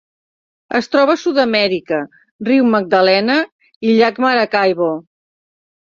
Es troba a Sud-amèrica: riu Magdalena i llac Maracaibo.